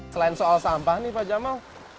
selain soal sampah nih pak jamal